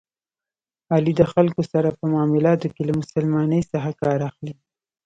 علي د خلکو سره په معاملاتو کې له مسلمانی څخه کار اخلي.